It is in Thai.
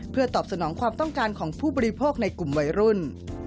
เพื่อตอบสนองความต้องการของผู้บริโภคในกลุ่มวัยรุ่น